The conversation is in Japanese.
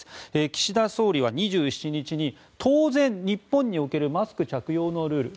岸田総理は２７日に当然、日本におけるマスク着用のルール